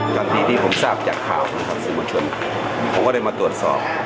ตอนที่ที่ผมทราบจากข่าวสมชนผมก็ได้มาตรวจสอบ